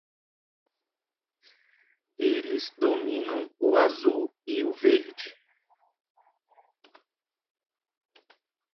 Eles dominam o azul e o verde.